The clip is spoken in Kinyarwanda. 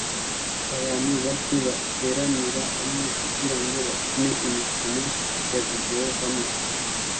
Abantu bake bateranira hamwe kugirango bakine imikino ya videwo hamwe